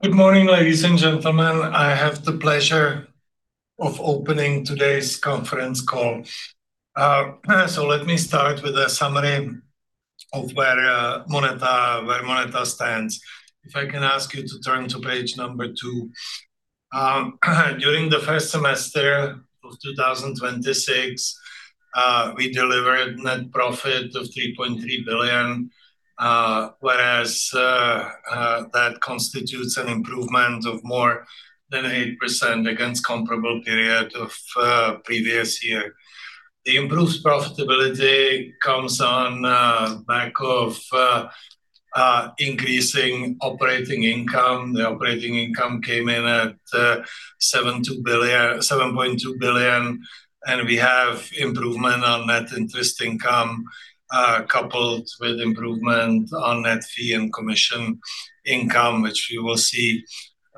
Good morning, ladies and gentlemen. I have the pleasure of opening today's conference call. Let me start with a summary of where MONETA stands. If I can ask you to turn to page number two. During the first semester of 2026, we delivered net profit of 3.3 billion, whereas that constitutes an improvement of more than 8% against comparable period of previous year. The improved profitability comes on the back of increasing operating income. The operating income came in at 7.2 billion, and we have improvement on net interest income, coupled with improvement on net fee and commission income, which we will see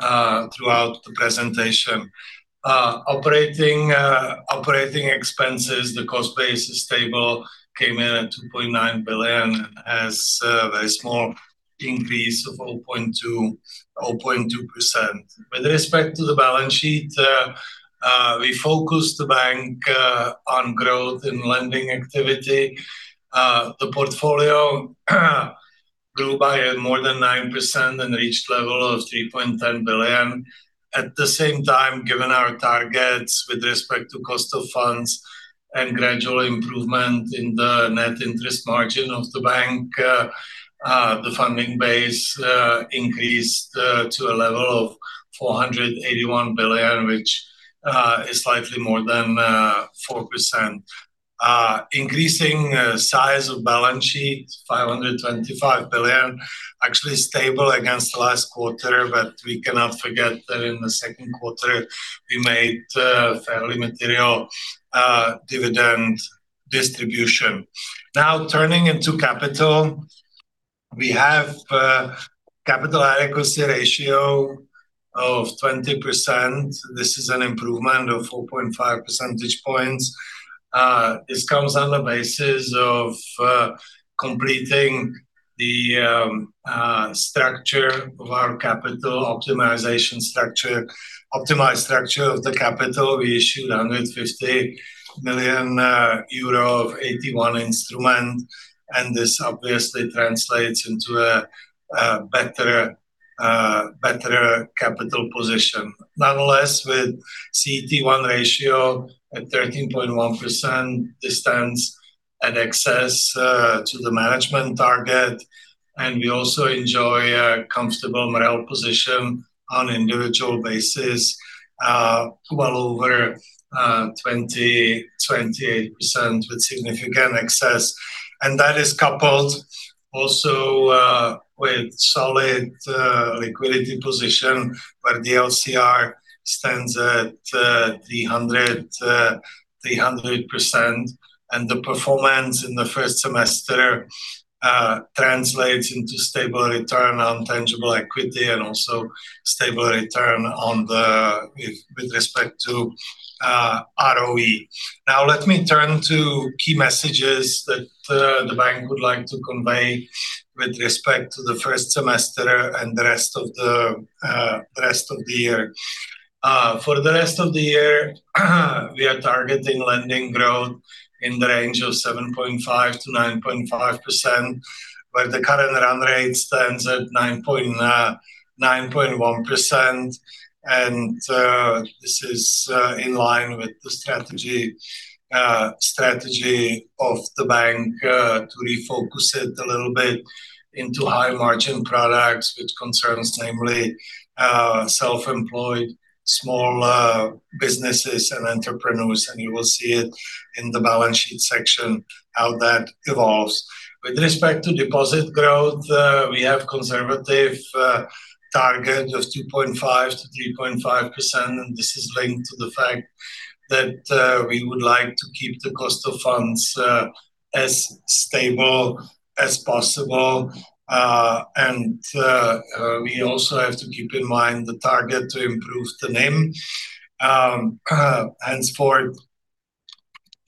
throughout the presentation. Operating expenses, the cost base is stable, came in at 2.9 billion, as a very small increase of 0.2%. With respect to the balance sheet, we focused the bank on growth in lending activity. The portfolio grew by more than 9% and reached level of 3.10 billion. At the same time, given our targets with respect to cost of funds and gradual improvement in the net interest margin of the bank, the funding base increased to a level of 481 billion, which is slightly more than 4%. Increasing size of balance sheet, 525 billion, actually stable against the last quarter, but we cannot forget that in the second quarter, we made a fairly material dividend distribution. Turning into capital, we have capital adequacy ratio of 20%. This is an improvement of 4.5 percentage points. This comes on the basis of completing the structure of our capital optimization structure, optimized structure of the capital. We issued 150 million euro of AT1 instrument, and this obviously translates into a better capital position. With CET1 ratio at 13.1%, this stands at excess to the management target, and we also enjoy a comfortable MREL position on individual basis, well over 28% with significant excess. That is coupled also with solid liquidity position, where the LCR stands at 300%, and the performance in the first semester translates into stable return on tangible equity and also stable return with respect to ROE. Let me turn to key messages that the bank would like to convey with respect to the first semester and the rest of the year. For the rest of the year, we are targeting lending growth in the range of 7.5%-9.5%, where the current run rate stands at 9.1%. This is in line with the strategy of the bank to refocus it a little bit into high-margin products, which concerns namely self-employed small businesses and entrepreneurs, and you will see it in the balance sheet section how that evolves. With respect to deposit growth, we have conservative target of 2.5%-3.5%, and this is linked to the fact that we would like to keep the cost of funds as stable as possible. We also have to keep in mind the target to improve the NIM. Henceforth,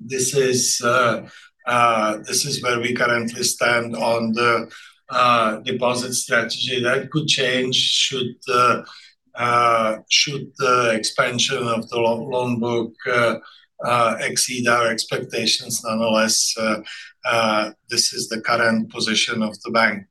this is where we currently stand on the deposit strategy. That could change should the expansion of the loan book exceed our expectations. This is the current position of the bank.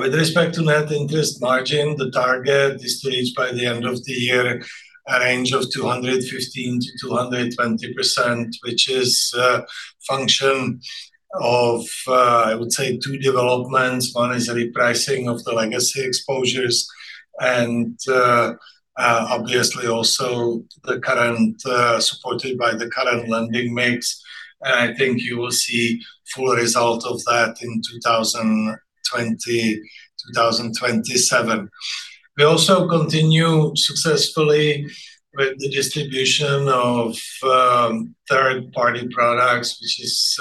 With respect to net interest margin, the target is to reach by the end of the year a range of 215%-220%, which is a function of, I would say, two developments. One is the repricing of the legacy exposures and, obviously also supported by the current lending mix. I think you will see full result of that in 2027. We also continue successfully with the distribution of third-party products, which is,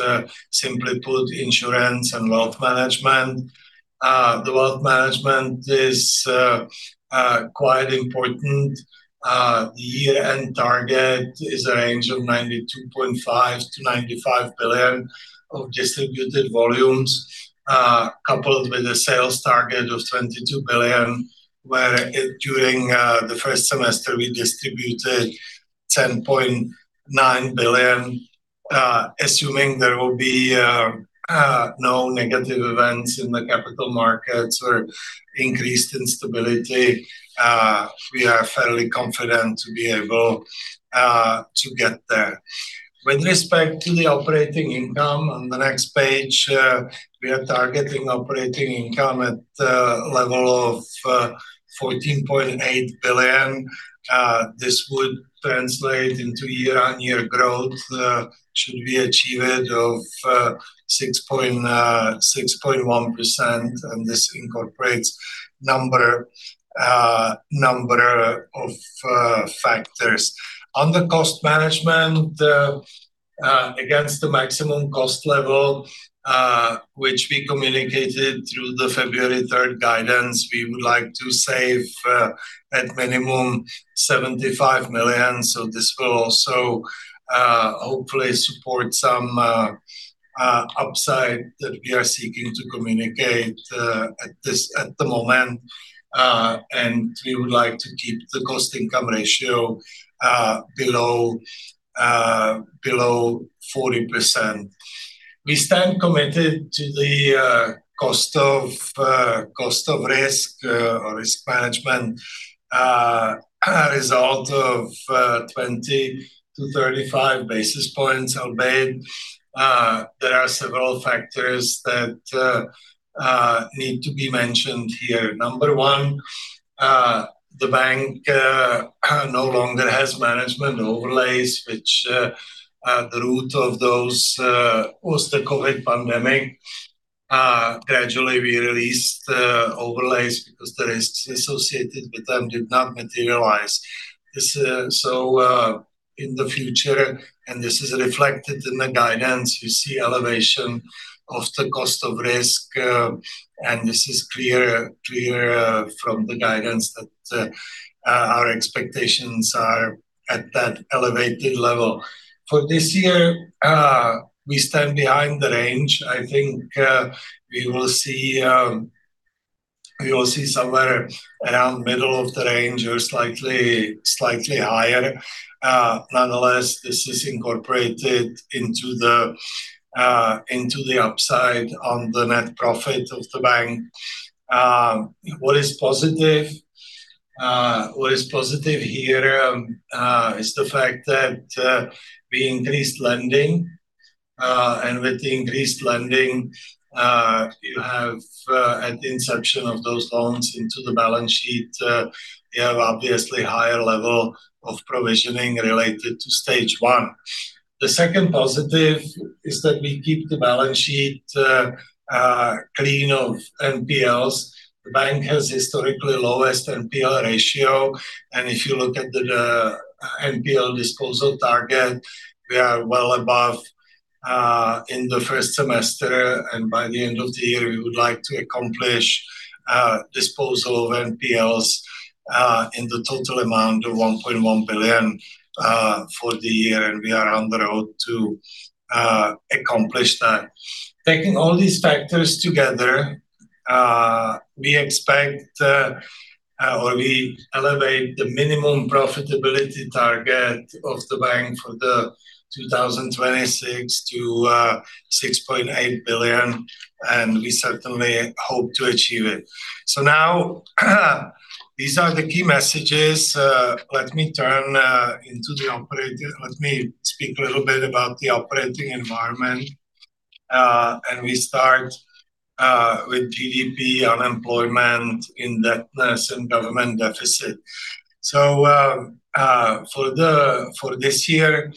simply put, insurance and wealth management. The wealth management is quite important. The year-end target is a range of 92.5 billion-95 billion of distributed volumes, coupled with a sales target of 22 billion, where during the first semester we distributed 10.9 billion. Assuming there will be no negative events in the capital markets or increased instability, we are fairly confident to be able to get there. With respect to the operating income, on the next page, we are targeting operating income at level of 14.8 billion. This would translate into year-over-year growth should we achieve it, of 6.1%, and this incorporates number of factors. On the cost management, against the maximum cost level, which we communicated through the February 3rd guidance, we would like to save at minimum 75 million. This will also hopefully support some upside that we are seeking to communicate at the moment, and we would like to keep the cost-income ratio below 40%. We stand committed to the cost of risk or risk management, result of 20-35 basis points, albeit there are several factors that need to be mentioned here. Number one, the bank no longer has management overlays, which the root of those was the COVID pandemic. Gradually, we released the overlays because the risks associated with them did not materialize. In the future, and this is reflected in the guidance, you see elevation of the cost of risk, and this is clear from the guidance that our expectations are at that elevated level. For this year, we stand behind the range. I think we will see somewhere around middle of the range or slightly higher. Nonetheless, this is incorporated into the upside on the net profit of the bank. What is positive here is the fact that we increased lending, and with the increased lending, you have at the inception of those loans into the balance sheet, you have obviously higher level of provisioning related to Stage 1. The second positive is that we keep the balance sheet clean of NPLs. The bank has historically lowest NPL ratio, and if you look at the NPL disposal target, we are well above in the first semester, and by the end of the year, we would like to accomplish disposal of NPLs in the total amount of 1.1 billion for the year, and we are on the road to accomplish that. Taking all these factors together, we expect, or we elevate the minimum profitability target of the bank for the 2026 to 6.8 billion, and we certainly hope to achieve it. Now, these are the key messages. Let me speak a little bit about the operating environment. We start with GDP, unemployment, indebtedness, and government deficit. For this year,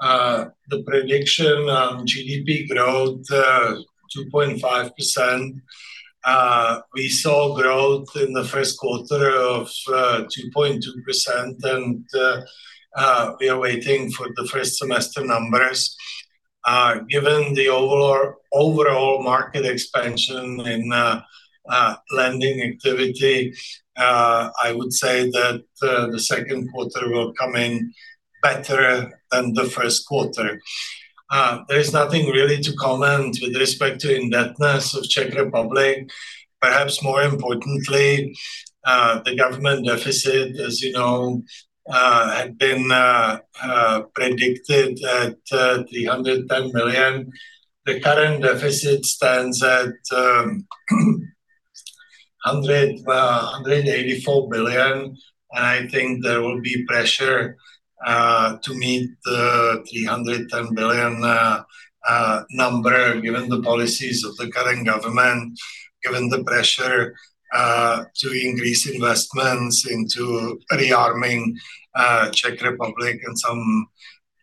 the prediction on GDP growth, 2.5%. We saw growth in the first quarter of 2.2%, and we are waiting for the first semester numbers. Given the overall market expansion in lending activity, I would say that the second quarter will come in better than the first quarter. There is nothing really to comment with respect to indebtedness of Czech Republic. Perhaps more importantly, the government deficit, as you know, had been predicted at 310 billion. The current deficit stands at 184 billion, and I think there will be pressure to meet the 310 billion number, given the policies of the current government, given the pressure to increase investments into rearming Czech Republic and some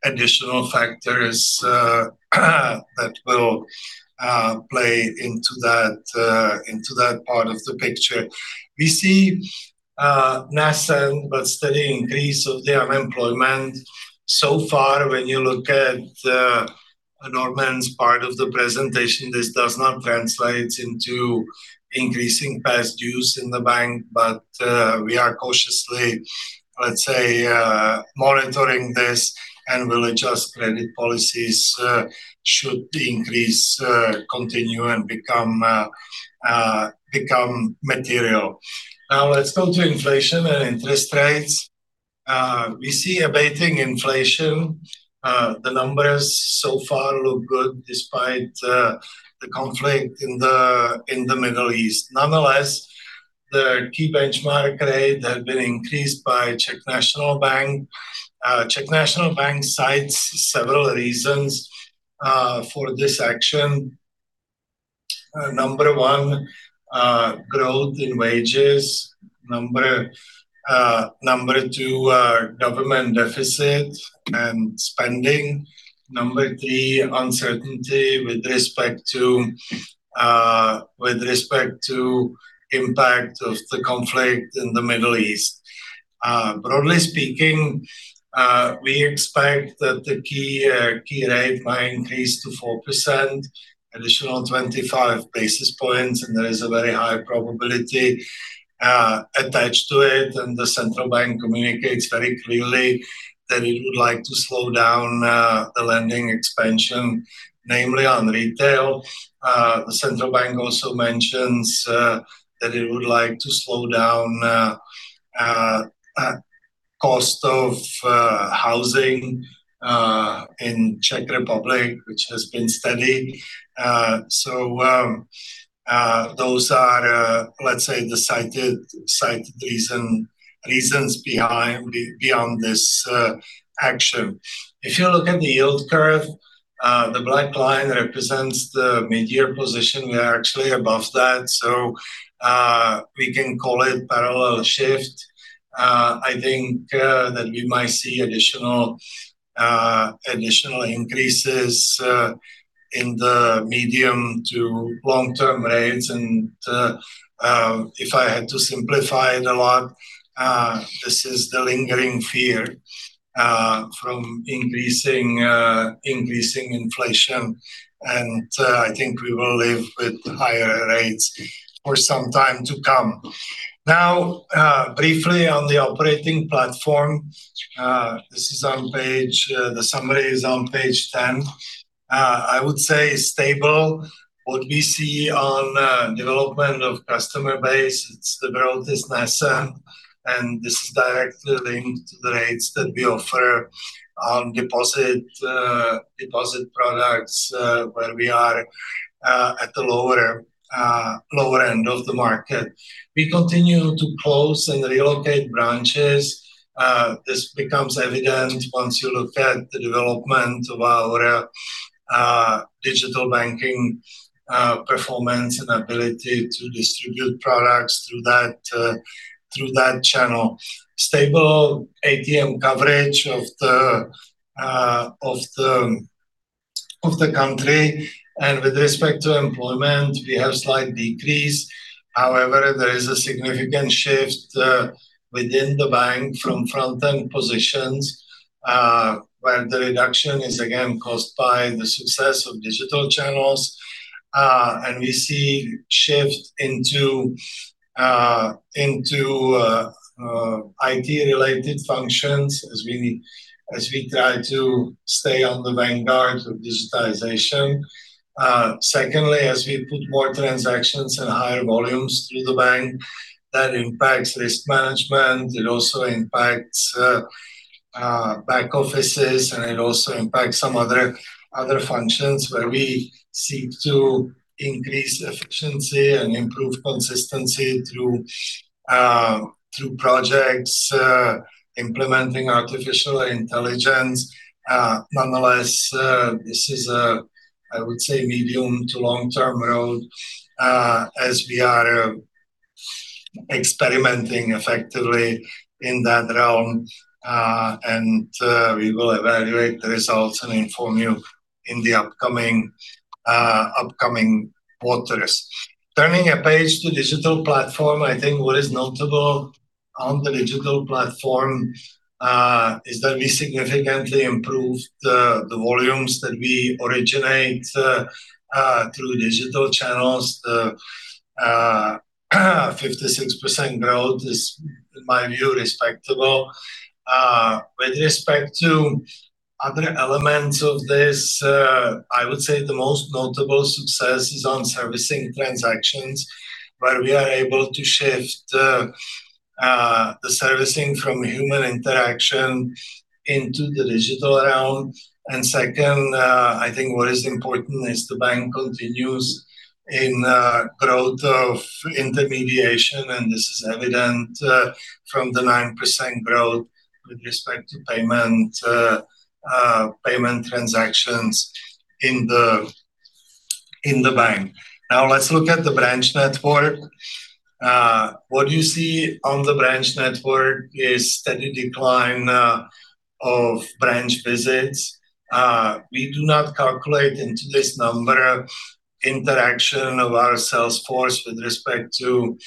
additional factors that will play into that part of the picture. We see nascent but steady increase of the unemployment. So far, when you look at Norman's part of the presentation, this does not translate into increasing past dues in the bank. We are cautiously, let's say, monitoring this and will adjust credit policies should the increase continue and become material. Now let's go to inflation and interest rates. We see abating inflation. The numbers so far look good despite the conflict in the Middle East. Nonetheless, the key benchmark rate has been increased by Czech National Bank. Czech National Bank cites several reasons for this action. Number one, growth in wages. Number two, government deficit and spending. Number three, uncertainty with respect to impact of the conflict in the Middle East. Broadly speaking, we expect that the key rate might increase to 4%, additional 25 basis points. There is a very high probability attached to it. The central bank communicates very clearly that it would like to slow down the lending expansion, namely on retail. The central bank also mentions that it would like to slow down cost of housing in Czech Republic, which has been steady. Those are, let's say, the cited reasons behind this action. If you look at the yield curve, the black line represents the mid-year position. We are actually above that, so we can call it parallel shift. I think that we might see additional increases in the medium to long-term rates. If I had to simplify it a lot, this is the lingering fear from increasing inflation, and I think we will live with higher rates for some time to come. Now, briefly on the operating platform. The summary is on page 10. I would say stable. What we see on development of customer base, it's the broadest NPS. This is directly linked to the rates that we offer on deposit products where we are at the lower end of the market. We continue to close and relocate branches. This becomes evident once you look at the development of our digital banking performance and ability to distribute products through that channel. Stable ATM coverage of the country. With respect to employment, we have slight decrease. However, there is a significant shift within the bank from front-end positions, where the reduction is again caused by the success of digital channels. We see shift into IT related functions as we try to stay on the vanguard with digitization. Secondly, as we put more transactions and higher volumes through the bank, that impacts risk management. It also impacts back offices, it also impacts some other functions where we seek to increase efficiency and improve consistency through projects implementing artificial intelligence. Nonetheless, this is a, I would say, medium to long-term road as we are experimenting effectively in that realm. We will evaluate the results and inform you in the upcoming quarters. Turning a page to digital platform, I think what is notable on the digital platform is that we significantly improved the volumes that we originate through digital channels. The 56% growth is, in my view, respectable. With respect to other elements of this, I would say the most notable success is on servicing transactions, where we are able to shift the servicing from human interaction into the digital realm. Second, I think what is important is the bank continues in growth of intermediation, this is evident from the 9% growth with respect to payment transactions in the bank. Let's look at the branch network. What you see on the branch network is steady decline of branch visits. We do not calculate into this number interaction of our sales force with respect to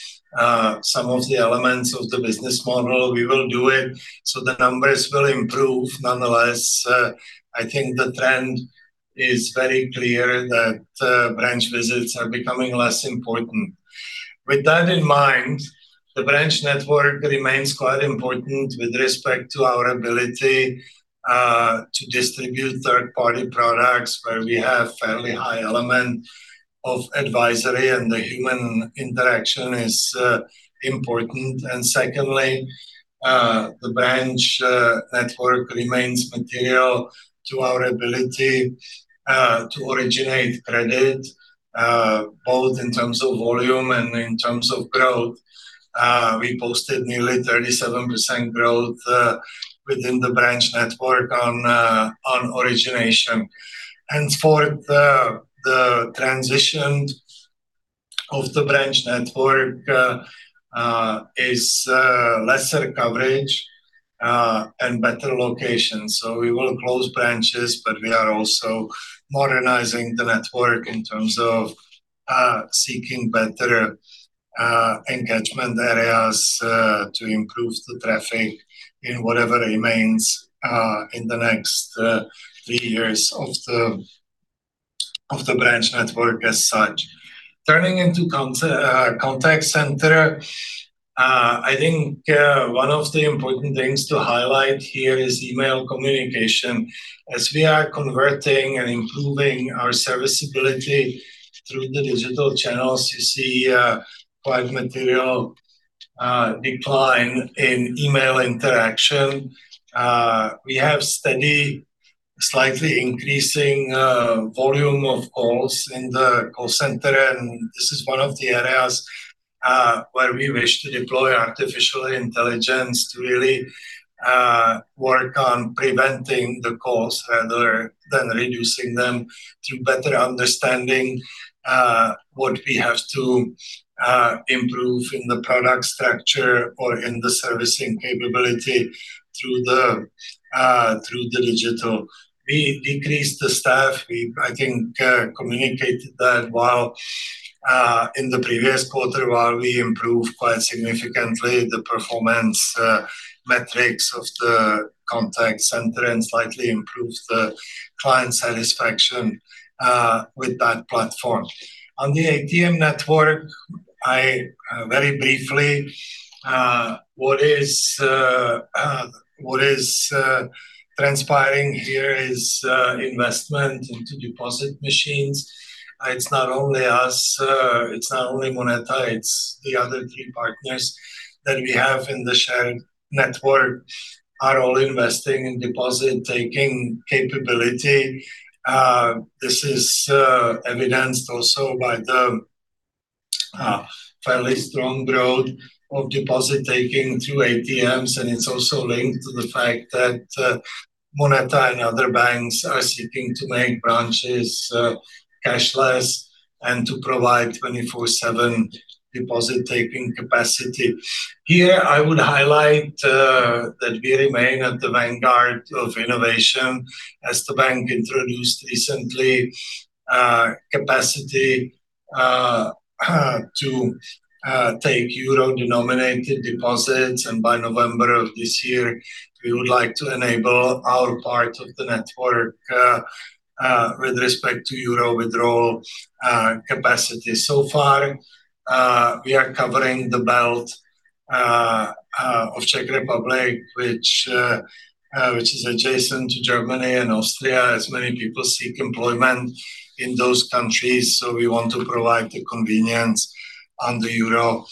some of the elements of the business model. We will do it so the numbers will improve. Nonetheless, I think the trend is very clear that branch visits are becoming less important. With that in mind, the branch network remains quite important with respect to our ability to distribute third-party products where we have a fairly high element of advisory and the human interaction is important. Secondly, the branch network remains material to our ability to originate credit, both in terms of volume and in terms of growth. We posted nearly 37% growth within the branch network on origination. For the transition of the branch network is lesser coverage and better locations. We will close branches, but we are also modernizing the network in terms of seeking better engagement areas to improve the traffic in whatever remains in the next three years of the branch network as such. Turning into contact center, I think one of the important things to highlight here is email communication. As we are converting and improving our serviceability through the digital channels, you see quite a material decline in email interaction. We have steady, slightly increasing volume of calls in the call center, this is one of the areas where we wish to deploy artificial intelligence to really work on preventing the calls rather than reducing them through better understanding what we have to improve in the product structure or in the servicing capability through the digital. We decreased the staff. We, I think, communicated that while in the previous quarter, while we improved quite significantly the performance metrics of the contact center and slightly improved the client satisfaction with that platform. On the ATM network, very briefly what is transpiring here is investment into deposit machines. It's not only us, it's not only MONETA, it's the other three partners that we have in the shared network are all investing in deposit-taking capability. This is evidenced also by the fairly strong growth of deposit-taking through ATMs, it's also linked to the fact that MONETA and other banks are seeking to make branches cashless and to provide 24/7 deposit-taking capacity. Here I would highlight that we remain at the vanguard of innovation as the bank introduced recently capacity to take euro-denominated deposits, by November of this year, we would like to enable our part of the network with respect to euro withdrawal capacity. So far, we are covering the belt of Czech Republic, which is adjacent to Germany and Austria, as many people seek employment in those countries, so we want to provide the convenience on the euro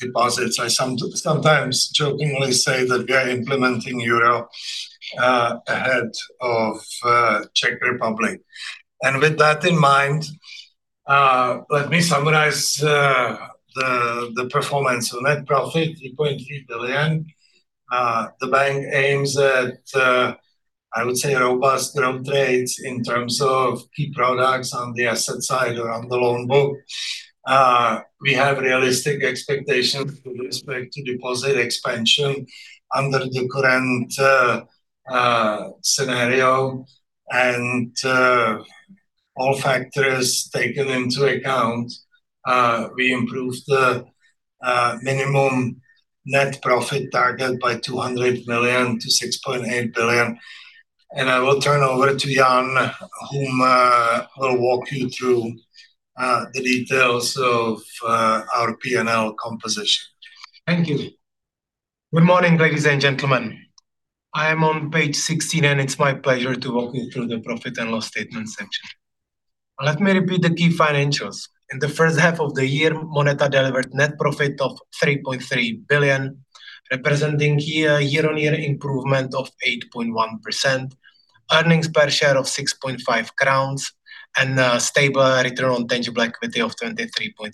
deposits. I sometimes jokingly say that we are implementing euro ahead of Czech Republic. With that in mind, let me summarize the performance. Net profit 3.3 billion. The bank aims at, I would say, robust growth rates in terms of key products on the asset side around the loan book. We have realistic expectations with respect to deposit expansion under the current scenario, all factors taken into account, we improved the minimum net profit target by 200 million to 6.8 billion. I will turn over to Jan, whom will walk you through the details of our P&L composition. Thank you. Good morning, ladies and gentlemen. I am on page 16, it's my pleasure to walk you through the profit and loss statement section. Let me repeat the key financials. In the first half of the year, MONETA delivered net profit of 3.3 billion, representing a year-on-year improvement of 8.1%, earnings per share of 6.5 crowns, and a stable return on tangible equity of 23.3%.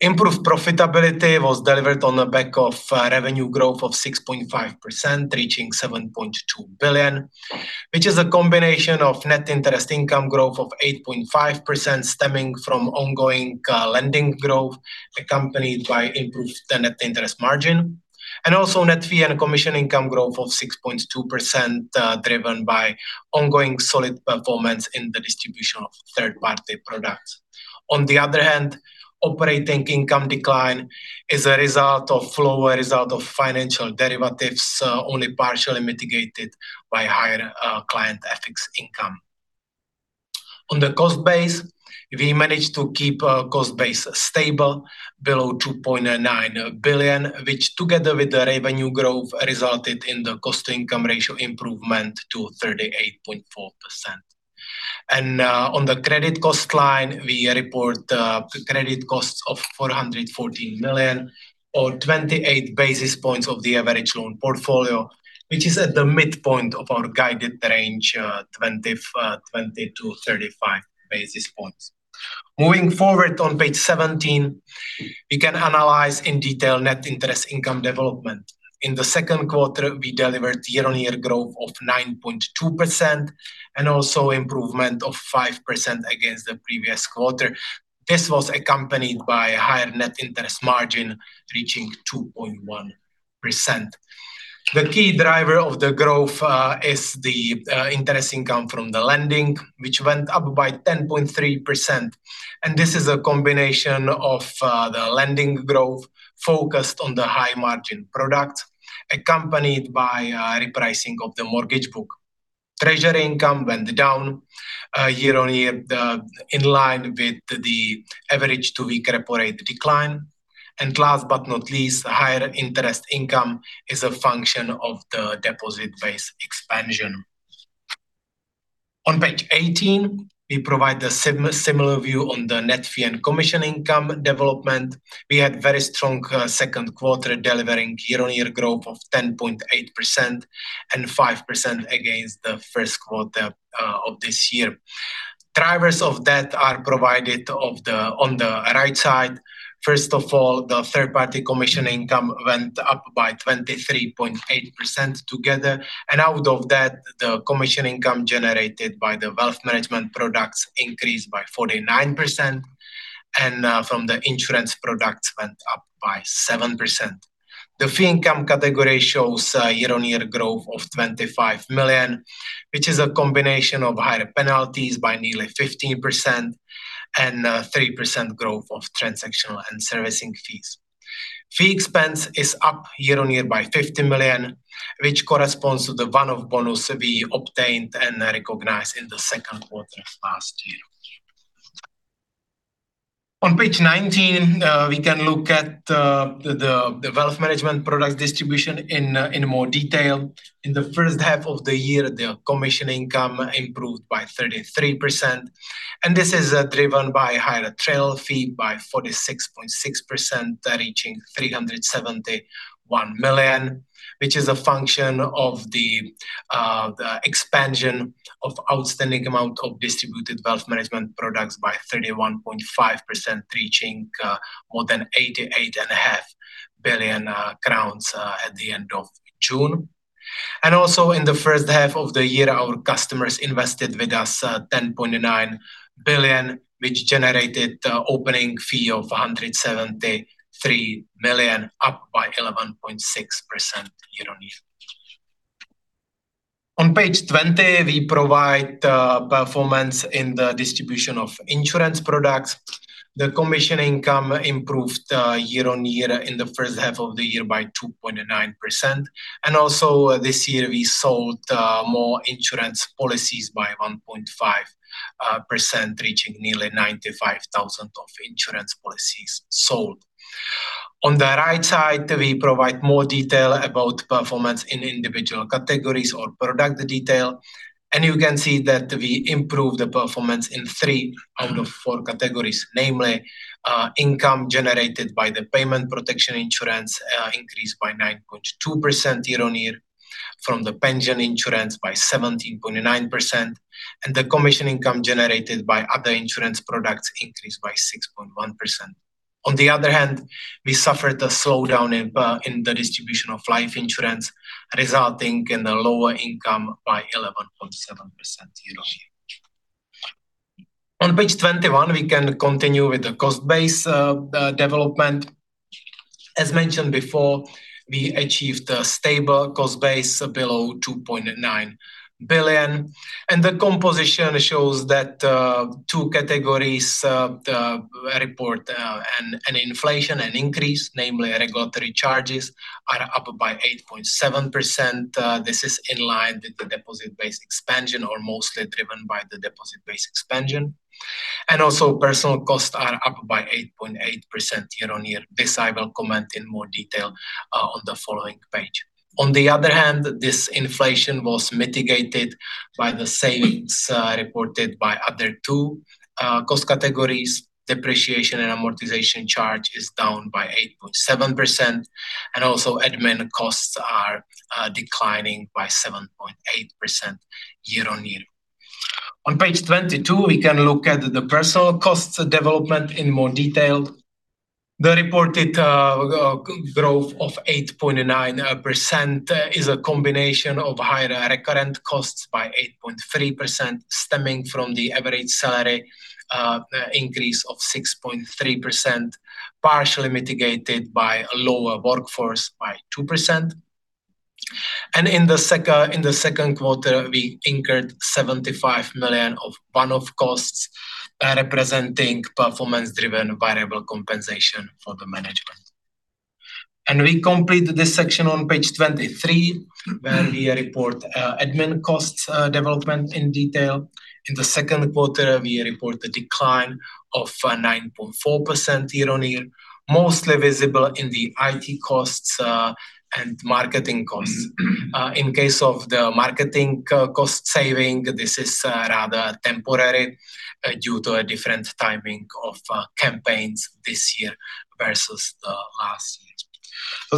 Improved profitability was delivered on the back of revenue growth of 6.5%, reaching 7.2 billion, which is a combination of net interest income growth of 8.5% stemming from ongoing lending growth, accompanied by improved net interest margin, also net fee and commission income growth of 6.2%, driven by ongoing solid performance in the distribution of third-party products. On the other hand, operating income decline is a result of lower result of financial derivatives, only partially mitigated by higher client FX income. On the cost base, we managed to keep our cost base stable below 2.9 billion, which together with the revenue growth, resulted in the cost-to-income ratio improvement to 38.4%. On the credit cost line, we report credit costs of 414 million or 28 basis points of the average loan portfolio, which is at the midpoint of our guided range, 20-35 basis points. Moving forward on page 17, we can analyze in detail net interest income development. In the second quarter, we delivered year-on-year growth of 9.2% also improvement of 5% against the previous quarter. This was accompanied by a higher net interest margin reaching 2.1%. The key driver of the growth is the interest income from the lending, which went up by 10.3%. This is a combination of the lending growth focused on the high margin products, accompanied by repricing of the mortgage book. Treasury income went down year-on-year in line with the average two-week repo rate decline. Last but not least, higher interest income is a function of the deposit base expansion. On page 18, we provide a similar view on the net fee and commission income development. We had very strong second quarter delivering year-on-year growth of 10.8% and 5% against the first quarter of this year. Drivers of that are provided on the right side. First of all, the third-party commission income went up by 23.8% together, out of that, the commission income generated by the wealth management products increased by 49%, and from the insurance products went up by 7%. The fee income category shows year-on-year growth of 25 million, which is a combination of higher penalties by nearly 15% and 3% growth of transactional and servicing fees. Fee expense is up year-on-year by 50 million, which corresponds to the one-off bonus we obtained and recognized in the second quarter of last year. On page 19, we can look at the wealth management products distribution in more detail. In the first half of the year, the commission income improved by 33%, this is driven by higher trail fee by 46.6%, reaching 371 million, which is a function of the expansion of outstanding amount of distributed wealth management products by 31.5%, reaching more than 88.5 billion crowns at the end of June. Also in the first half of the year, our customers invested with us 10.9 billion, which generated the opening fee of 173 million, up by 11.6% year-on-year. On page 20, we provide performance in the distribution of insurance products. The commission income improved year-on-year in the first half of the year by 2.9%. Also this year we sold more insurance policies by 1.5%, reaching nearly 95,000 of insurance policies sold. On the right side, we provide more detail about performance in individual categories or product detail. You can see that we improved the performance in three out of four categories, namely income generated by the payment protection insurance increased by 9.2% year-on-year, from the pension insurance by 17.9%, and the commission income generated by other insurance products increased by 6.1%. On the other hand, we suffered a slowdown in the distribution of life insurance, resulting in a lower income by 11.7% year-on-year. On page 21, we can continue with the cost base development. As mentioned before, we achieved a stable cost base below 2.9 billion, and the composition shows that two categories report an inflation and increase, namely regulatory charges are up by 8.7%. This is in line with the deposit base expansion or mostly driven by the deposit base expansion. Also personal costs are up by 8.8% year-on-year. This I will comment in more detail on the following page. On the other hand, this inflation was mitigated by the savings reported by other two cost categories. Depreciation and amortization charge is down by 8.7%, also admin costs are declining by 7.8% year-on-year. On page 22, we can look at the personal costs development in more detail. The reported growth of 8.9% is a combination of higher recurrent costs by 8.3%, stemming from the average salary increase of 6.3%, partially mitigated by a lower workforce by 2%. In the second quarter, we incurred 75 million of one-off costs, representing performance-driven variable compensation for the management. We complete this section on page 23, where we report admin costs development in detail. In the second quarter, we report a decline of 9.4% year-on-year, mostly visible in the IT costs and marketing costs. In case of the marketing cost saving, this is rather temporary due to a different timing of campaigns this year versus the last year.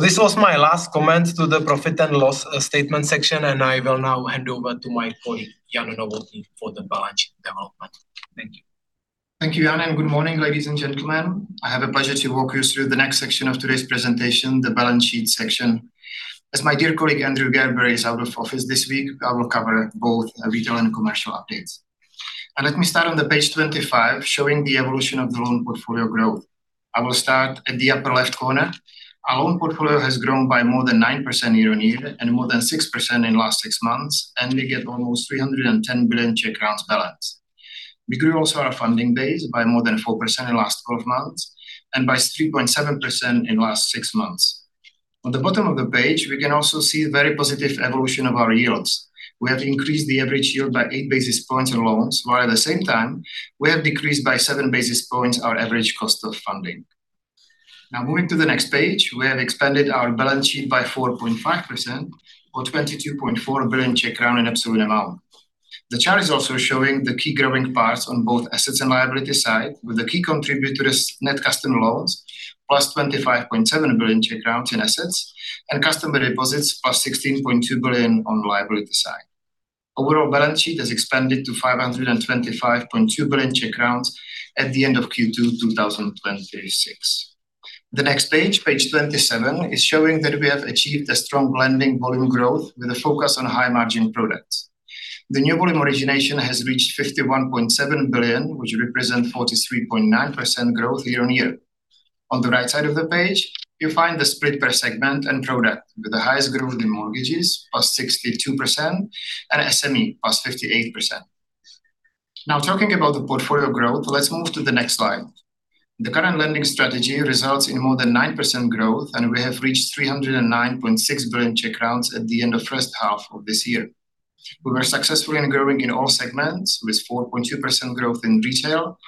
This was my last comment to the profit and loss statement section, and I will now hand over to my colleague, Jan Novotný, for the balance sheet development. Thank you. Thank you, Jan, and good morning, ladies and gentlemen. I have a pleasure to walk you through the next section of today's presentation, the balance sheet section. As my dear colleague, Andrew Gerber, is out of office this week, I will cover both retail and commercial updates. Let me start on page 25, showing the evolution of the loan portfolio growth. I will start at the upper left corner. Our loan portfolio has grown by more than 9% year-on-year and more than 6% in last six months, and we get almost 310 billion balance. We grew also our funding base by more than 4% in last 12 months and by 3.7% in last six months. On the bottom of the page, we can also see very positive evolution of our yields. We have increased the average yield by eight basis points in loans, while at the same time we have decreased by seven basis points our average cost of funding. Moving to the next page, we have expanded our balance sheet by 4.5% or 22.4 billion Czech crown in absolute amount. The chart is also showing the key growing parts on both assets and liability side, with the key contributor is net custom loans plus 25.7 billion in assets and customer deposits plus 16.2 billion on liability side. Overall balance sheet has expanded to 525.2 billion at the end of Q2 2026. The next page 27, is showing that we have achieved a strong lending volume growth with a focus on high-margin products. The new volume origination has reached 51.7 billion, which represent 43.9% growth year-on-year. On the right side of the page, you'll find the split per segment and product, with the highest growth in mortgages, +62%, and SME, +58%. Talking about the portfolio growth, let's move to the next slide. The current lending strategy results in more than 9% growth, and we have reached 309.6 billion at the end of first half of this year. We were successfully growing in all segments, with 4.2% growth in retail,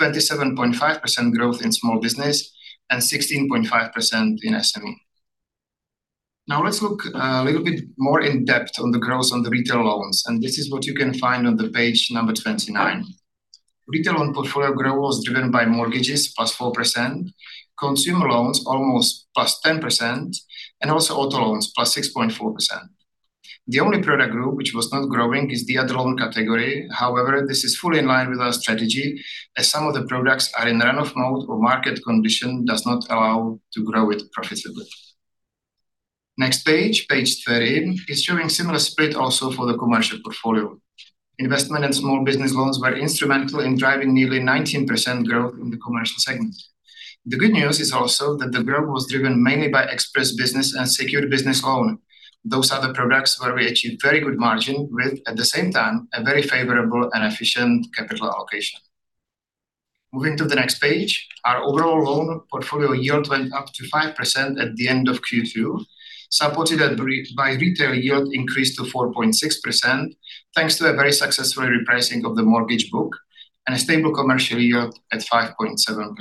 27.5% growth in small business, and 16.5% in SME. Let's look a little bit more in depth on the growth on the retail loans, and this is what you can find on page number 29. Retail loan portfolio growth was driven by mortgages +4%, consumer loans almost +10%, and also auto loans, +6.4%. The only product group which was not growing is the other loan category. However, this is fully in line with our strategy as some of the products are in runoff mode or market condition does not allow to grow it profitably. Next page 30, is showing similar split also for the commercial portfolio. Investment in small business loans were instrumental in driving nearly 19% growth in the commercial segment. The good news is also that the growth was driven mainly by Express Business loan and secured business loan. Those are the products where we achieved very good margin with, at the same time, a very favorable and efficient capital allocation. Moving to the next page, our overall loan portfolio yield went up to 5% at the end of Q2, supported by retail yield increase to 4.6% thanks to a very successful repricing of the mortgage book and a stable commercial yield at 5.7%.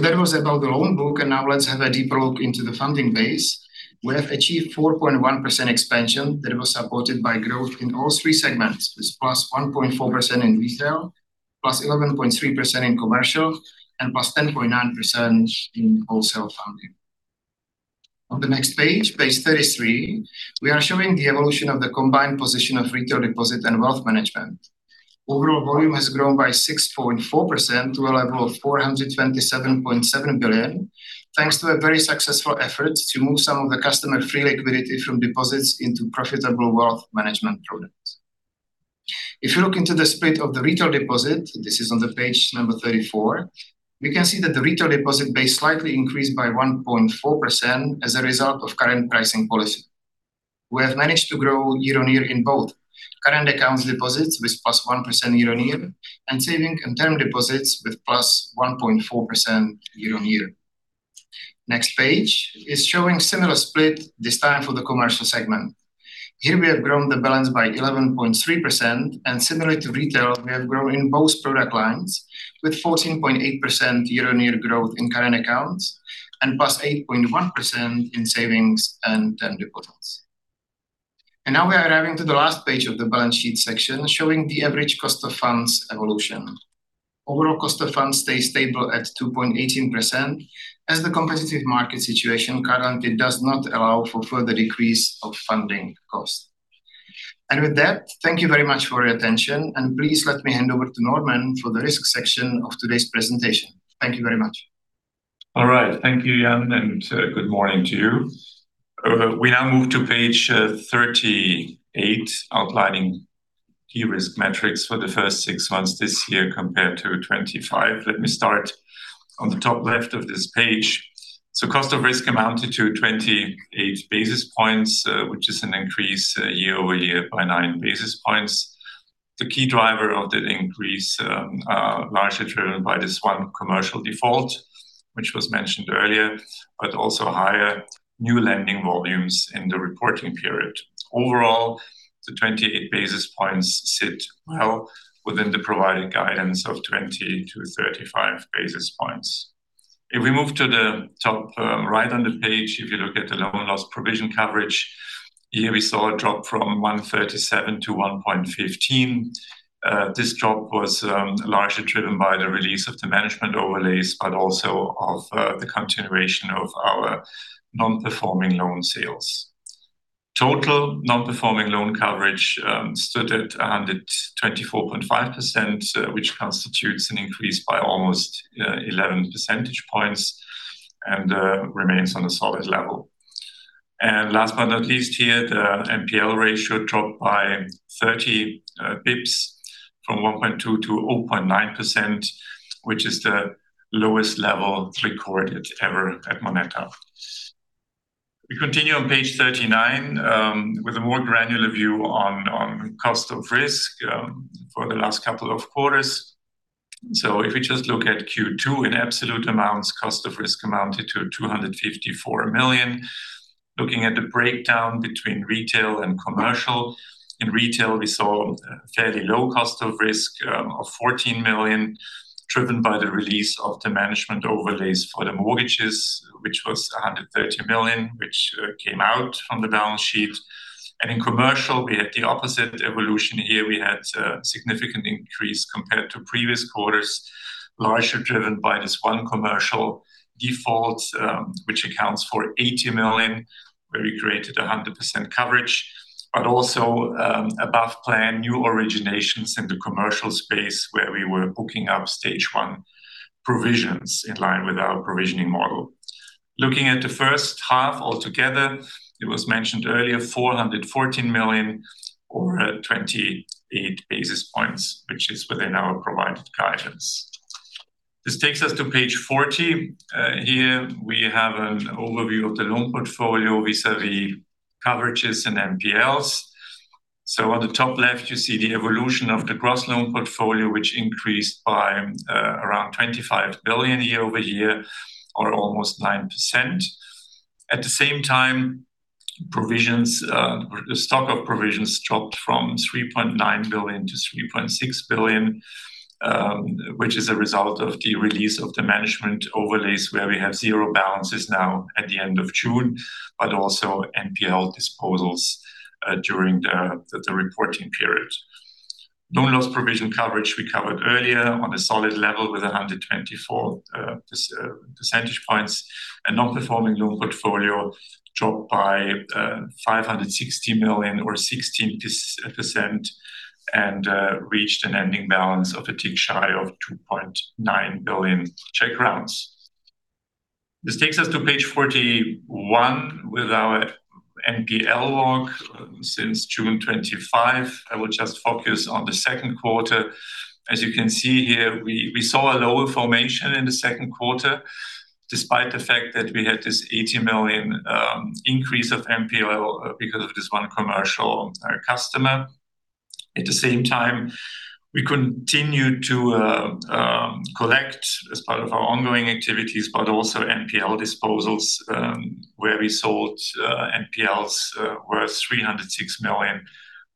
That was about the loan book, and now let's have a deeper look into the funding base. We have achieved 4.1% expansion that was supported by growth in all three segments, with +1.4% in retail, +11.3% in commercial, and +10.9% in wholesale funding. On the next page 33, we are showing the evolution of the combined position of retail deposit and wealth management. Overall volume has grown by 6.4% to a level of 427.7 billion, thanks to a very successful effort to move some of the customer free liquidity from deposits into profitable wealth management products. If you look into the split of the retail deposit, this is on the page number 34, we can see that the retail deposit base slightly increased by 1.4% as a result of current pricing policy. We have managed to grow year-on-year in both current accounts deposits with +1% year-on-year and saving and term deposits with +1.4% year-on-year. Next page is showing similar split, this time for the Commercial segment. Here we have grown the balance by 11.3%, and similar to retail, we have grown in both product lines with 14.8% year-on-year growth in current accounts and +8.1% in savings and term deposits. Now we are arriving to the last page of the balance sheet section, showing the average cost of funds evolution. Overall cost of funds stays stable at 2.18% as the competitive market situation currently does not allow for further decrease of funding cost. With that, thank you very much for your attention, and please let me hand over to Norman for the risk section of today's presentation. Thank you very much. All right. Thank you, Jan, and good morning to you. We now move to page 38, outlining key risk metrics for the first six months this year compared to 2025. Let me start on the top left of this page. Cost of risk amounted to 28 basis points, which is an increase year-over-year by 9 basis points. The key driver of the increase, largely driven by this one commercial default, which was mentioned earlier, but also higher new lending volumes in the reporting period. Overall, the 28 basis points sit well within the provided guidance of 20 to 35 basis points. If we move to the top right on the page, if you look at the loan loss provision coverage, here we saw a drop from 1.37 to 1.15. This drop was largely driven by the release of the management overlays, but also of the continuation of our non-performing loan sales. Total non-performing loan coverage stood at 124.5%, which constitutes an increase by almost 11 percentage points and remains on a solid level. Last but not least, here, the NPL ratio dropped by 30 basis points from 1.2% to 0.9%, which is the lowest level recorded ever at MONETA. We continue on page 39 with a more granular view on cost of risk for the last couple of quarters. If you just look at Q2, in absolute amounts, cost of risk amounted to 254 million. Looking at the breakdown between retail and commercial. In retail, we saw a fairly low cost of risk of 14 million, driven by the release of the management overlays for the mortgages, which was 130 million, which came out from the balance sheet. In commercial, we had the opposite evolution here. We had a significant increase compared to previous quarters, largely driven by this one commercial default, which accounts for 80 million, where we created 100% coverage. Also above plan, new originations in the commercial space, where we were booking up Stage 1 provisions in line with our provisioning model. Looking at the first half altogether, it was mentioned earlier, 414 million or 28 basis points, which is within our provided guidance. This takes us to page 40. Here we have an overview of the loan portfolio vis-à-vis coverages and NPLs. On the top left, you see the evolution of the gross loan portfolio, which increased by around 25 billion year-over-year, or almost 9%. At the same time, stock of provisions dropped from 3.9 billion to 3.6 billion, which is a result of the release of the management overlays, where we have zero balances now at the end of June, but also NPL disposals during the reporting period. Loan loss provision coverage we covered earlier, on a solid level with 124 percentage points. Non-performing loan portfolio dropped by 560 million or 16% and reached an ending balance of a tick shy of 2.9 billion. This takes us to page 41 with our NPL log since June 2025. I will just focus on the second quarter. As you can see here, we saw a lower formation in the second quarter, despite the fact that we had this 80 million increase of NPL because of this one commercial customer. At the same time, we continued to collect as part of our ongoing activities, but also NPL disposals, where we sold NPLs worth 306 million,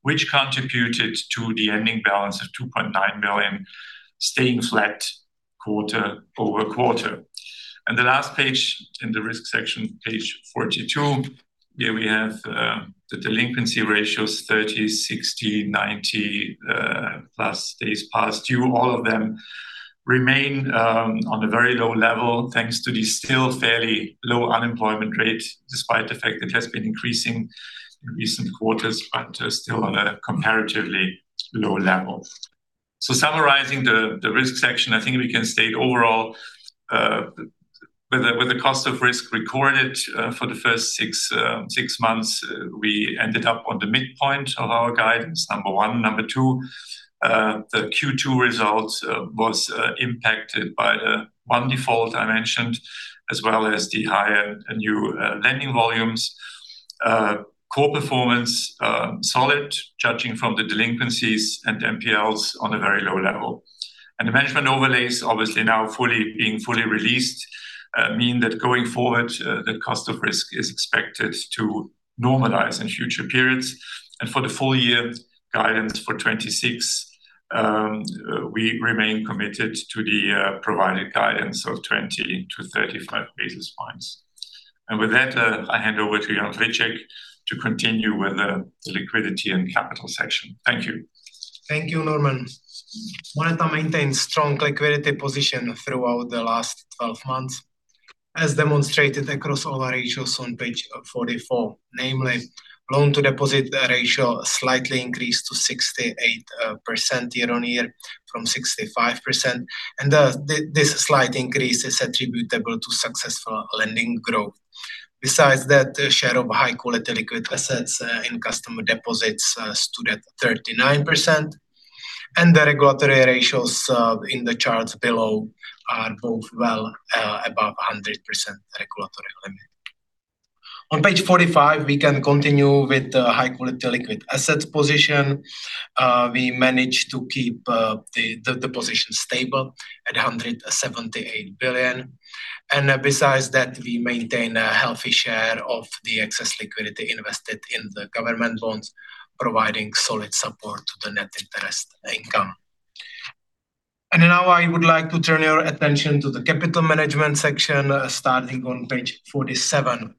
which contributed to the ending balance of 2.9 million, staying flat quarter-over-quarter. The last page in the risk section, page 42, here we have the delinquency ratios 30, 60, 90+ days past due. All of them remain on a very low level thanks to the still fairly low unemployment rate, despite the fact it has been increasing in recent quarters, but still on a comparatively lower level. Summarizing the risk section, I think we can state overall, with the cost of risk recorded for the first six months, we ended up on the midpoint of our guidance, number one. Number two, the Q2 results was impacted by the one default I mentioned, as well as the higher new lending volumes. Core performance solid, judging from the delinquencies and NPLs on a very low level. The management overlays, obviously now being fully released, mean that going forward, the cost of risk is expected to normalize in future periods. For the full year guidance for 2026, we remain committed to the provided guidance of 20-35 basis points. With that, I hand over to Jan Friček to continue with the liquidity and capital section. Thank you. Thank you, Norman. MONETA maintained strong liquidity position throughout the last 12 months, as demonstrated across all ratios on page 44, namely loan-to-deposit ratio slightly increased to 68% year-on-year from 65%. This slight increase is attributable to successful lending growth. Besides that, the share of high-quality liquid assets in customer deposits stood at 39%. The regulatory ratios in the charts below are both well above 100% regulatory limit. On page 45, we can continue with the high-quality liquid assets position. We managed to keep the position stable at 178 billion. Besides that, we maintain a healthy share of the excess liquidity invested in the government loans, providing solid support to the net interest income. Now I would like to turn your attention to the capital management section, starting on page 47.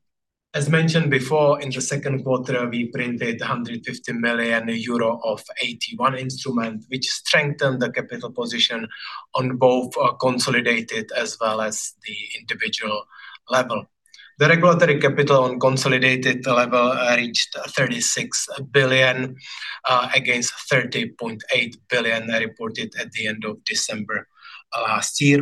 As mentioned before, in the second quarter, we printed 150 million euro of AT1 instrument, which strengthened the capital position on both consolidated as well as the individual level. The regulatory capital on consolidated level reached 36 billion against 30.8 billion reported at the end of December last year.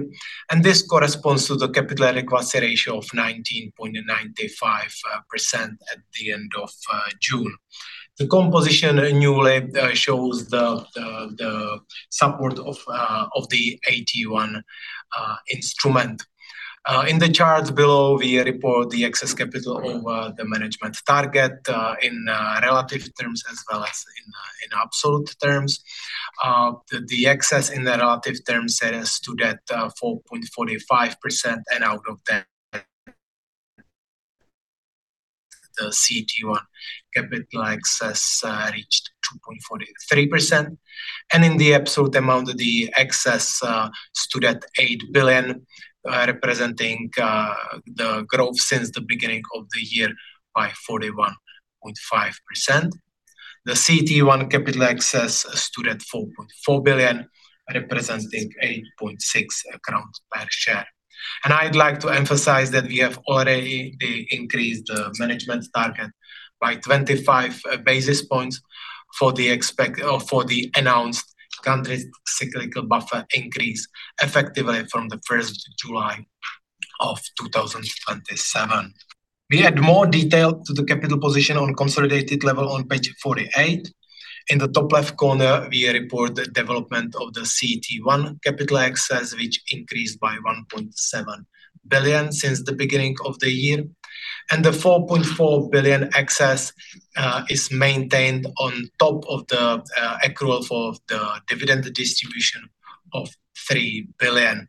This corresponds to the capital adequacy ratio of 19.95% at the end of June. The composition newly shows the support of the AT1 instrument. In the charts below, we report the excess capital over the management target, in relative terms as well as in absolute terms. The excess in the relative terms stood at 4.45%. Out of that the CET1 capital excess reached 2.43%. In the absolute amount, the excess stood at 8 billion, representing the growth since the beginning of the year by 41.5%. The CET1 capital excess stood at 4.4 billion, representing 8.6 crowns per share. I'd like to emphasize that we have already increased the management target by 25 basis points for the announced countercyclical buffer increase effectively from the 1st of July 2027. We add more detail to the capital position on consolidated level on page 48. In the top left corner, we report the development of the CET1 capital excess, which increased by 1.7 billion since the beginning of the year. The 4.4 billion excess is maintained on top of the accrual for the dividend distribution of 3 billion.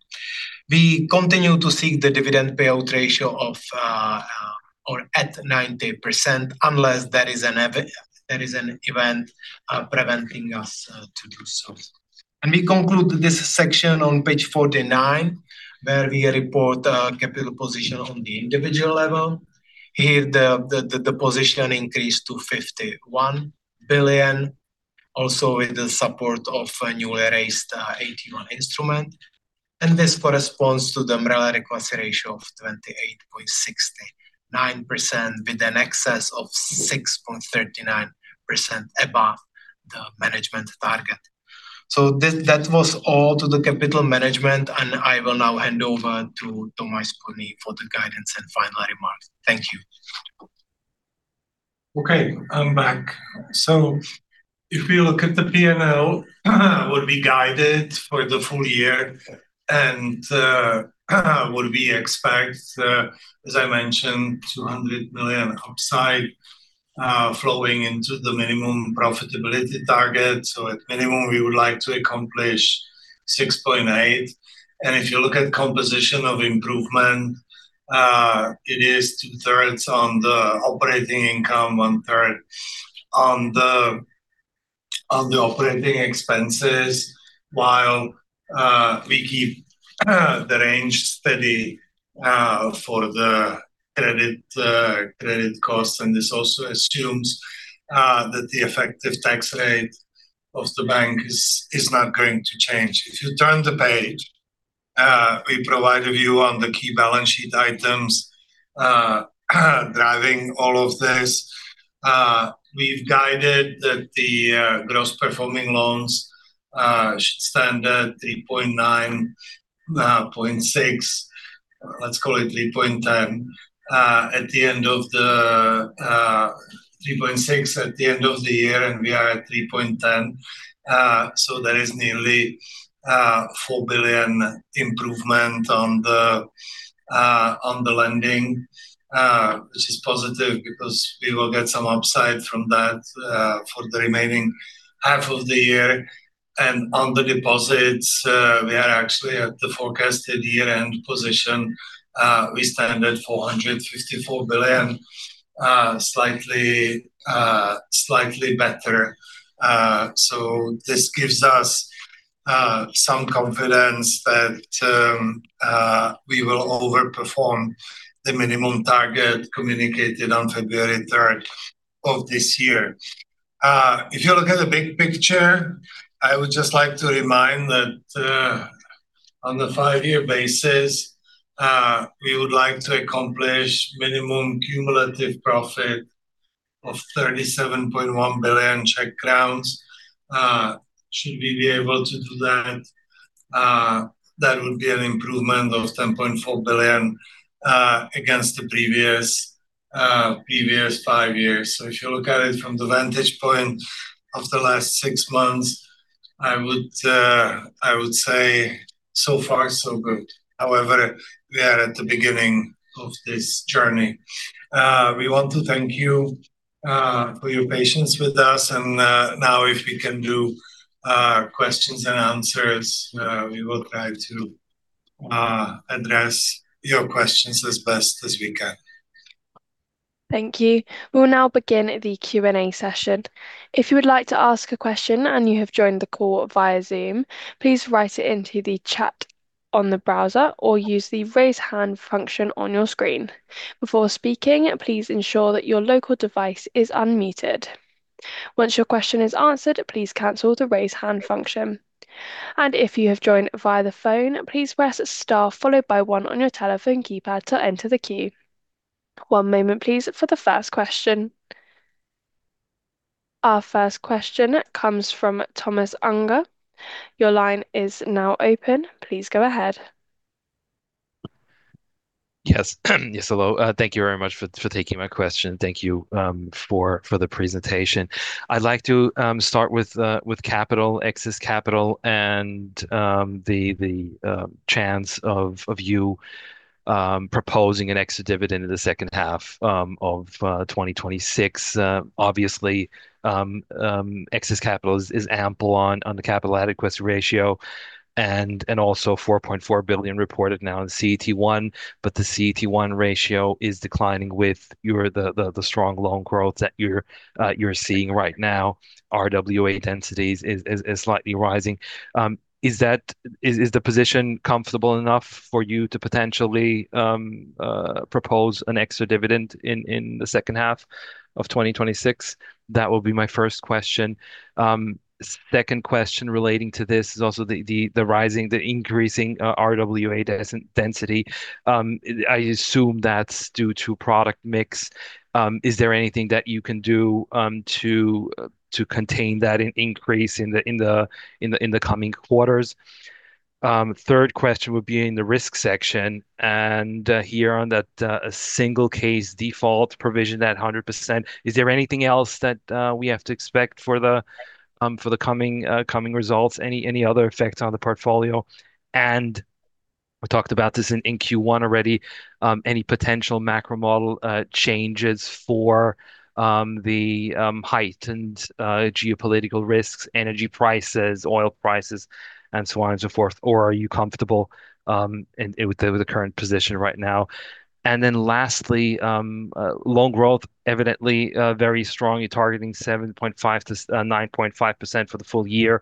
We continue to seek the dividend payout ratio at 90%, unless there is an event preventing us to do so. We conclude this section on page 49, where we report capital position on the individual level. Here, the position increased to 51 billion, also with the support of newly raised AT1 instrument. This corresponds to the umbrella recourse ratio of 28.69% with an excess of 6.39% above the management target. That was all to the capital management, and I will now hand over to Tomáš Spurný for the guidance and final remarks. Thank you. Okay, I'm back. If you look at the P&L would be guided for the full year and what we expect, as I mentioned, 200 million upside flowing into the minimum profitability target. At minimum, we would like to accomplish 6.8 billion. If you look at composition of improvement, it is 2/3 on the operating income, one-third on the operating expenses, while we keep the range steady for the credit cost. This also assumes that the effective tax rate of the bank is not going to change. If you turn the page, we provide a view on the key balance sheet items driving all of this. We've guided that the gross performing loans should stand at 309 billion 306 billion let's call it 310 billion at the end of the-- 306 billion at the end of the year, and we are at 310 billion. There is nearly 4 billion improvement on the lending, which is positive because we will get some upside from that for the remaining half of the year. On the deposits, we are actually at the forecasted year-end position. We stand at 454 billion, slightly better. This gives us some confidence that we will overperform the minimum target communicated on February 3 of this year. If you look at the big picture, I would just like to remind that on the five-year basis, we would like to accomplish minimum cumulative profit of 37.1 billion Czech crowns. Should we be able to do that would be an improvement of 10.4 billion against the previous five years. If you look at it from the vantage point of the last six months I would say so far so good. However, we are at the beginning of this journey. We want to thank you for your patience with us. Now if we can do questions and answers, we will try to address your questions as best as we can. Thank you. We'll now begin the Q&A session. If you would like to ask a question and you have joined the call via Zoom, please write it into the chat on the browser or use the raise hand function on your screen. Before speaking, please ensure that your local device is unmuted. Once your question is answered, please cancel the raise hand function. If you have joined via the phone, please press star followed by one on your telephone keypad to enter the queue. One moment please for the first question. Our first question comes from Thomas Unger. Your line is now open. Please go ahead. Yes, hello. Thank you very much for taking my question. Thank you for the presentation. I'd like to start with capital, excess capital, and the chance of you proposing an extra dividend in the second half of 2026. Obviously, excess capital is ample on the capital adequacy ratio and also 4.4 billion reported now in CET1, but the CET1 ratio is declining with the strong loan growth that you're seeing right now. RWA densities is slightly rising. Is the position comfortable enough for you to potentially propose an extra dividend in the second half of 2026? That would be my first question. Second question relating to this is also the increasing RWA density. I assume that's due to product mix. Is there anything that you can do to contain that increase in the coming quarters? Third question would be in the risk section, and here on that single case default provision, that 100%. Is there anything else that we have to expect for the coming results? Any other effects on the portfolio? We talked about this in Q1 already. Any potential macro model changes for the heightened geopolitical risks, energy prices, oil prices, and so on and so forth, or are you comfortable with the current position right now? Then lastly, loan growth evidently very strong. You're targeting 7.5%-9.5% for the full year.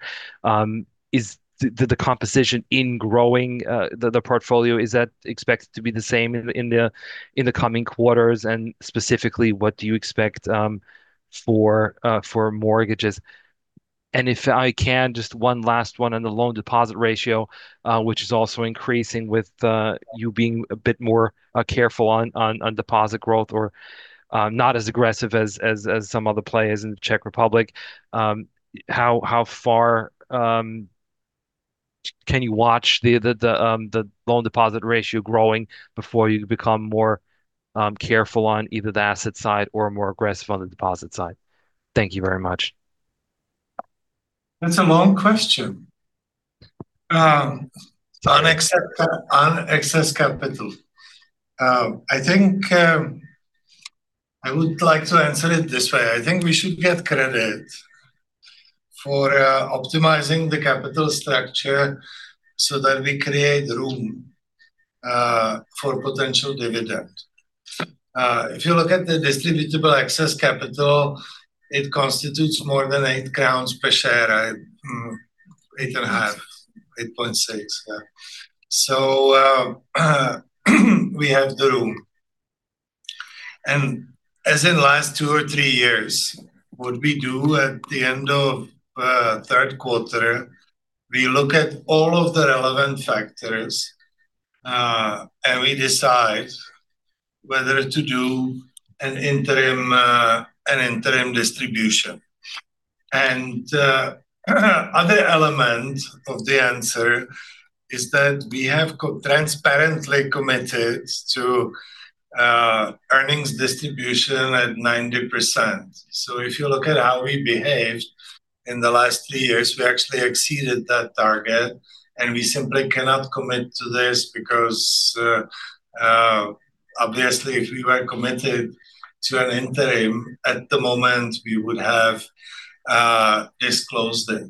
The composition in growing the portfolio, is that expected to be the same in the coming quarters? Specifically, what do you expect for mortgages? If I can, just one last one on the loan deposit ratio, which is also increasing with you being a bit more careful on deposit growth or not as aggressive as some other players in the Czech Republic. How far can you watch the loan deposit ratio growing before you become more careful on either the asset side or more aggressive on the deposit side? Thank you very much. That's a long question. On excess capital. I think I would like to answer it this way. I think we should get credit for optimizing the capital structure so that we create room for potential dividend. If you look at the distributable excess capital, it constitutes more than 8 crowns Per share. 8.5, 8.6. Yeah. We have the room. As in last two or three years, what we do at the end of third quarter, we look at all of the relevant factors, and we decide whether to do an interim distribution. Other element of the answer is that we have transparently committed to earnings distribution at 90%. If you look at how we behaved in the last three years, we actually exceeded that target, and we simply cannot commit to this because, obviously, if we were committed to an interim at the moment, we would have disclosed it.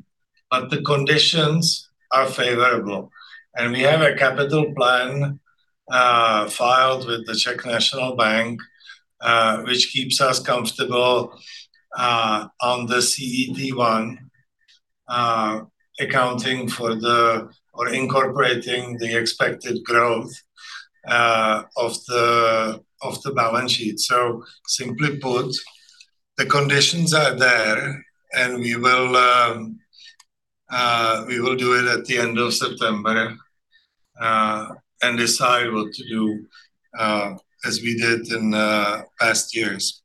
The conditions are favorable. We have a capital plan filed with the Czech National Bank, which keeps us comfortable on the CET1 accounting for the, or incorporating the expected growth of the balance sheet. Simply put, the conditions are there, and we will do it at the end of September, and decide what to do, as we did in past years.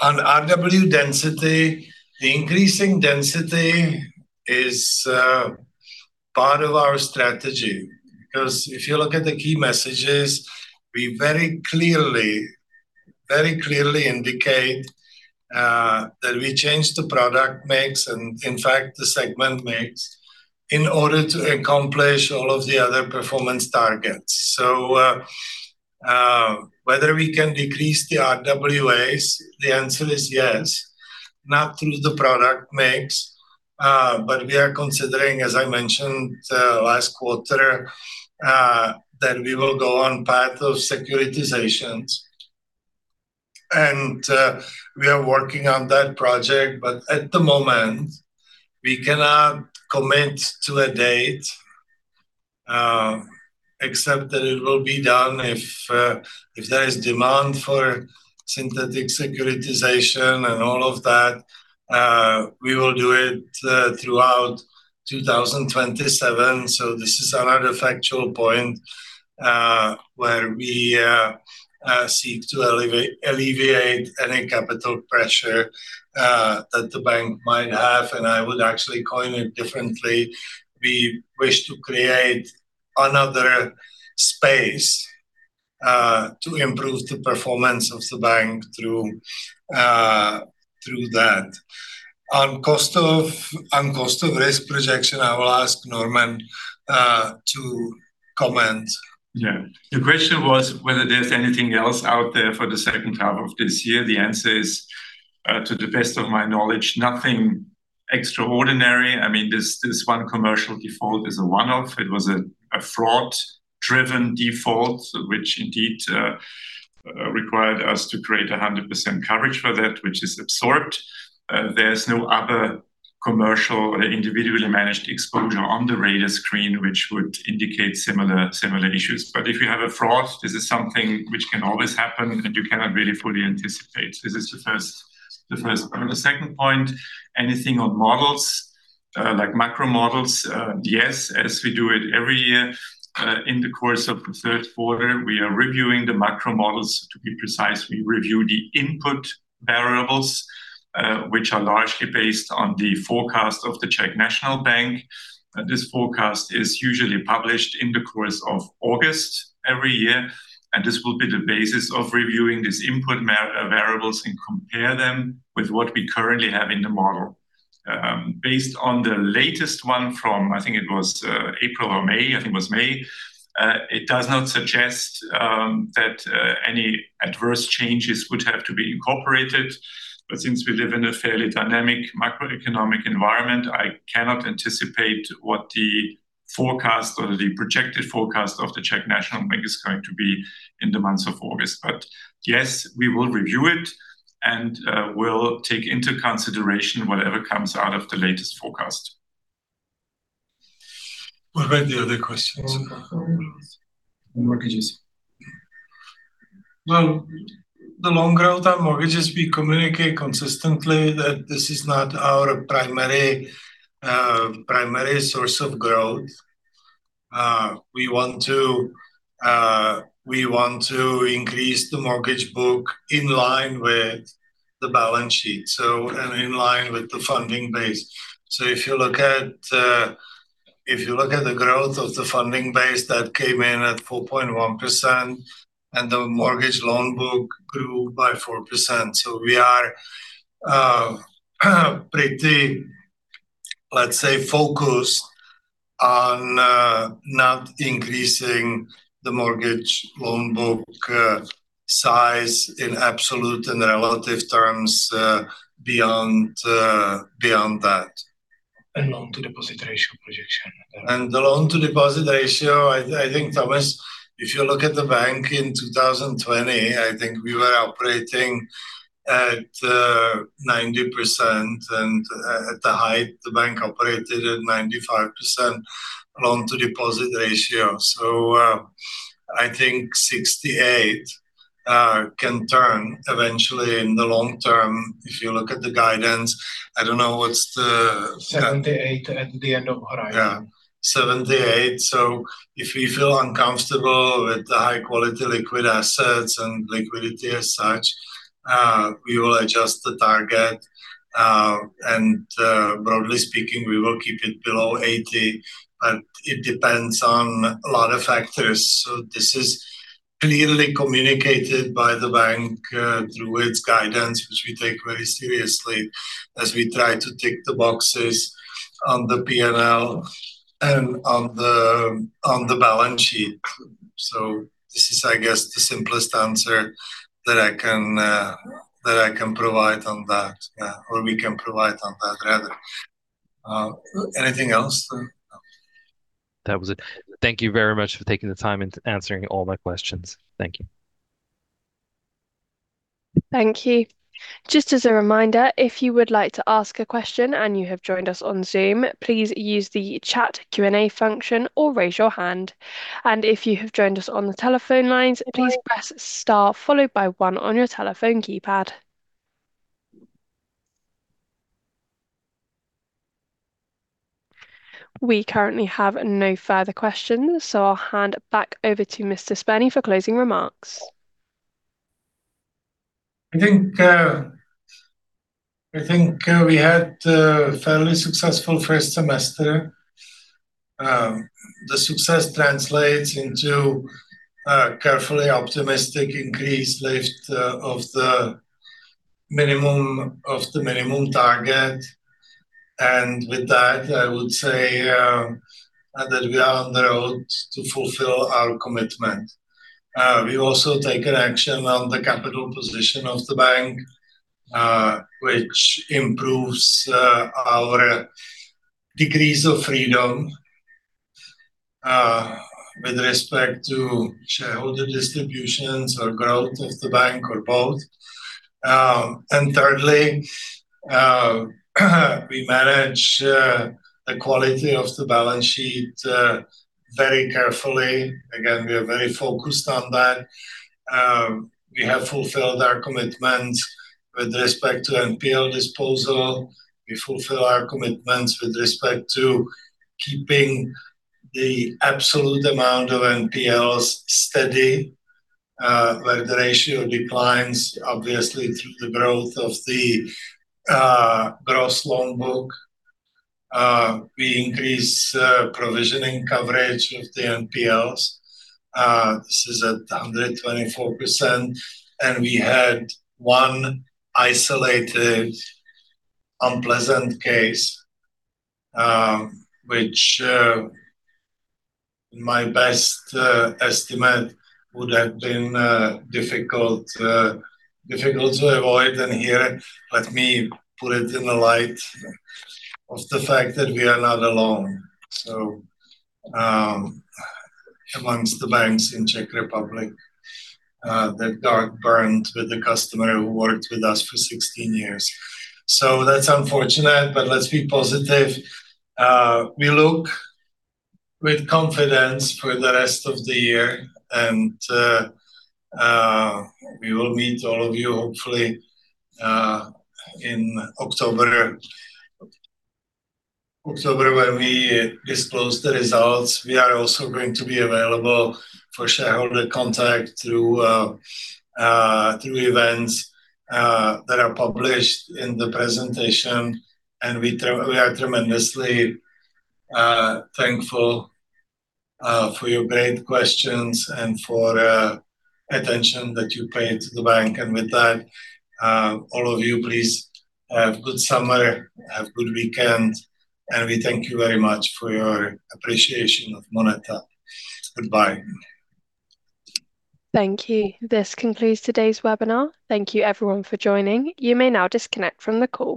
On RWA density, the increasing density is part of our strategy, because if you look at the key messages, we very clearly indicate that we changed the product mix and in fact the segment mix in order to accomplish all of the other performance targets. Whether we can decrease the RWAs, the answer is yes, not through the product mix. We are considering, as I mentioned last quarter, that we will go on path of securitizations. We are working on that project, but at the moment, we cannot commit to a date, except that it will be done if there is demand for synthetic securitization and all of that. We will do it throughout 2027. This is another factual point, where we seek to alleviate any capital pressure that the bank might have. I would actually coin it differently. We wish to create another space to improve the performance of the bank through that. On cost of risk projection, I will ask Norman to comment. Yeah. The question was whether there's anything else out there for the second half of this year. The answer is, to the best of my knowledge, nothing extraordinary. This one commercial default is a one-off. It was a fraud-driven default, which indeed required us to create 100% coverage for that, which is absorbed. There's no other commercial or individually managed exposure on the radar screen, which would indicate similar issues. If you have a fraud, this is something which can always happen, and you cannot really fully anticipate. This is the first point. On the second point, anything on models, like macro models, yes, as we do it every year. In the course of the third quarter, we are reviewing the macro models. To be precise, we review the input variables, which are largely based on the forecast of the Czech National Bank. This forecast is usually published in the course of August every year, and this will be the basis of reviewing these input variables and compare them with what we currently have in the model. Based on the latest one from, I think it was April or May, I think it was May, it does not suggest that any adverse changes would have to be incorporated. Since we live in a fairly dynamic macroeconomic environment, I cannot anticipate what the forecast or the projected forecast of the Czech National Bank is going to be in the months of August. Yes, we will review it, and we'll take into consideration whatever comes out of the latest forecast. What were the other questions? On mortgages. The long growth on mortgages, we communicate consistently that this is not our primary source of growth. We want to increase the mortgage book in line with the balance sheet, and in line with the funding base. If you look at the growth of the funding base, that came in at 4.1%, and the mortgage loan book grew by 4%. We are pretty, let's say, focused on not increasing the mortgage loan book size in absolute and relative terms beyond that. Loan-to-deposit ratio projection. The loan-to-deposit ratio, I think, Thomas, if you look at the bank in 2020, I think we were operating at 90%, and at the height, the bank operated at 95% loan-to-deposit ratio. I think 68% can turn eventually in the long term. If you look at the guidance, I don't know what's the. 78% at the end of horizon. Yeah, 78%. If we feel uncomfortable with the high-quality liquid assets and liquidity as such, we will adjust the target. Broadly speaking, we will keep it below 80, but it depends on a lot of factors. This is clearly communicated by the bank through its guidance, which we take very seriously as we try to tick the boxes on the P&L and on the balance sheet. This is, I guess, the simplest answer that I can provide on that. We can provide on that, rather. Anything else? That was it. Thank you very much for taking the time and answering all my questions. Thank you. Thank you. Just as a reminder, if you would like to ask a question and you have joined us on Zoom, please use the chat Q&A function or raise your hand. If you have joined us on the telephone lines, please press star followed by one on your telephone keypad. We currently have no further questions, so I'll hand back over to Mr. Spurný for closing remarks I think we had a fairly successful first semester. The success translates into a carefully optimistic increase lift of the minimum target. With that, I would say that we are on the road to fulfill our commitment. We also taken action on the capital position of the bank, which improves our degrees of freedom with respect to shareholder distributions or growth of the bank or both. Thirdly, we manage the quality of the balance sheet very carefully. Again, we are very focused on that. We have fulfilled our commitment with respect to NPL disposal. We fulfill our commitments with respect to keeping the absolute amount of NPLs steady, where the ratio declines, obviously, through the growth of the gross loan book. We increase provisioning coverage of the NPLs. This is at 124%. We had one isolated unpleasant case, which in my best estimate would have been difficult to avoid. Here, let me put it in the light of the fact that we are not alone. Amongst the banks in Czech Republic, that got burned with the customer who worked with us for 16 years. That's unfortunate, but let's be positive. We look with confidence for the rest of the year. We will meet all of you hopefully in October when we disclose the results. We are also going to be available for shareholder contact through events that are published in the presentation. We are tremendously thankful for your great questions and for attention that you pay to the bank. With that, all of you, please have good summer, have good weekend, and we thank you very much for your appreciation of MONETA. Goodbye. Thank you. This concludes today's webinar. Thank you, everyone, for joining. You may now disconnect from the call.